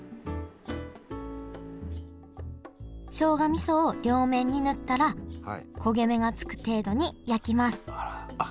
しょうがみそを両面に塗ったら焦げ目がつく程度に焼きますあっ